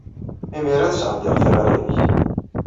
Imir-a ad sɛeddiɣ tiɣri-nnek.